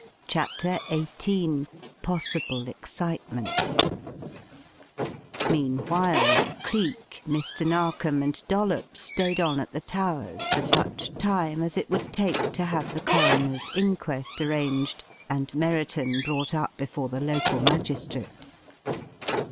CHAPTER XVIII POSSIBLE EXCITEMENT Meanwhile, Cleek, Mr. Narkom, and Dollops stayed on at the Towers for such time as it would take to have the coroner's inquest arranged, and Merriton brought up before the local magistrate.